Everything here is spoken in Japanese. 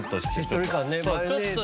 しっとり感ねマヨネーズと。